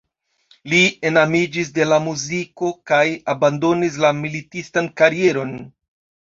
Li enamiĝis de la muziko kaj abandonis la militistan karieron.